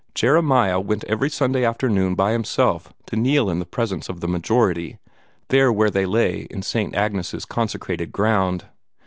Jeremiah went every Sunday afternoon by himself to kneel in the presence of the majority, there where they lay in Saint Agnes' consecrated ground.